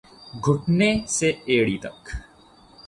گھٹنے سے ایڑی تک